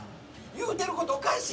言うてることおかしい！